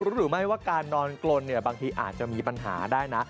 หรือไม่ว่าการนอนกลนเนี่ยบางทีอาจจะมีปัญหาได้นะ